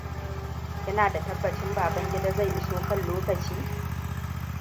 Kina da tabbacin Babangida zai iso kan lokaci?